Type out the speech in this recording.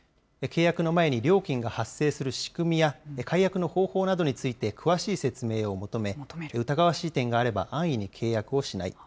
契約の前に料金が発生する仕組みや、解約の方法などについて詳しい説明を求め、疑わしい点があれば、安易に契約をしない。